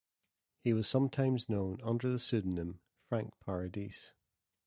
He was sometimes known under the pseudonym Frank Paradis.